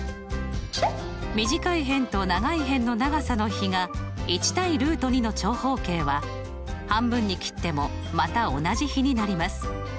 短い辺と長い辺の長さの比が１対の長方形は半分に切ってもまた同じ比になります。